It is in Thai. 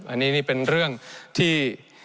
อันนี้นี่เป็นเรื่องที่